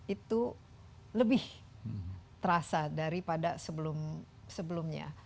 itu lebih terasa daripada sebelumnya